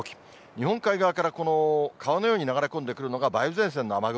日本海側から、この川のように流れ込んでくるのが梅雨前線の雨雲。